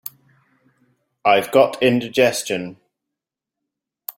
I've got indigestion.